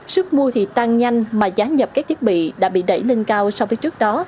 sức mua thì tăng nhanh mà giá nhập các thiết bị đã bị đẩy lên cao so với trước đó